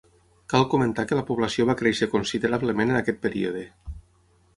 Cal comentar que la població va créixer considerablement en aquest període.